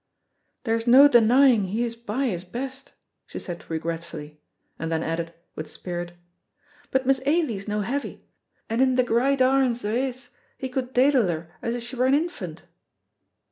"There's no denying he is by his best," she said regretfully, and then added, with spirit, "but Miss Ailie's no heavy, and in thae grite arms o' his he could daidle her as if she were an infant."